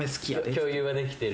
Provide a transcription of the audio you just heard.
共有はできてる。